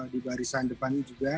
di barisan depan juga